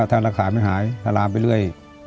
ถ้ารักษาไม่หายก็ลามไปเรื่อย